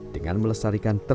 dengan melestarikan ternak harga